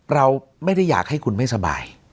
เราไม่ได้อยากให้คุณไม่สบาย